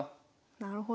なるほど。